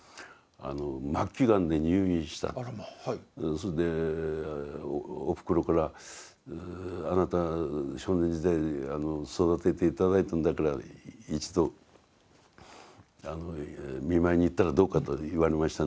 それでおふくろからあなた少年時代育てて頂いたんだから一度見舞いに行ったらどうかと言われましたね。